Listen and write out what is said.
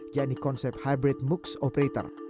yakni konsep hybrid moocs operator